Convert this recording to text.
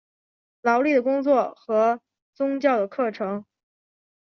劳力的工作和宗教的课程。